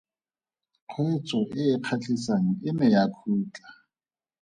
Kgweetso e e kgatlhisang e ne ya khutla.